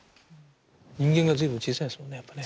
人間が随分小さいんですもんねやっぱね。